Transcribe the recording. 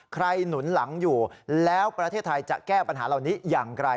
หนุนหลังอยู่แล้วประเทศไทยจะแก้ปัญหาเหล่านี้อย่างไร